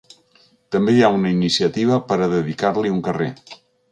També hi ha una iniciativa per a dedicar-li un carrer.